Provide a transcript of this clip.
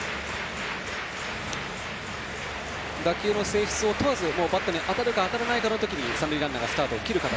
打球の性質を問わずバットに当たるかどうかで三塁ランナーがスタートを切る形。